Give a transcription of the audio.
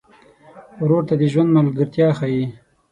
ورور ته د ژوند ملګرتیا ښيي.